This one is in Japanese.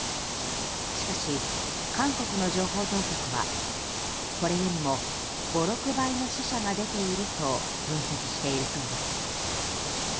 しかし、韓国の情報当局はこれよりも５６倍の死者が出ていると分析しているそうです。